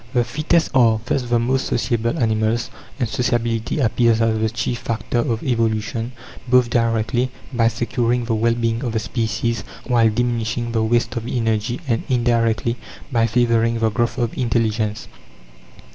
The fittest are thus the most sociable animals, and sociability appears as the chief factor of evolution, both directly, by securing the well being of the species while diminishing the waste of energy, and indirectly, by favouring the growth of intelligence.